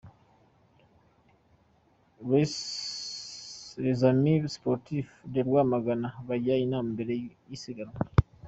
Les Amis Sportifs de Rwamagana bajya inama mbere y'isiganwa .